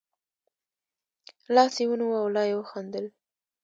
لاس یې ونیو او لا یې خندل.